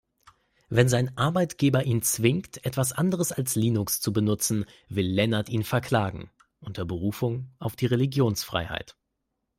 Wenn sein Arbeitgeber ihn zwingt, etwas anderes als Linux zu benutzen, will Lennart ihn verklagen, unter Berufung auf die Religionsfreiheit.